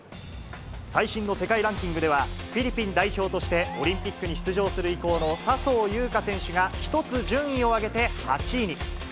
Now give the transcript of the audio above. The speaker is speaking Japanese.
最新の世界ランキングでは、フィリピン代表としてオリンピックに出場する意向の笹生優花選手が、１つ順位を上げて８位に。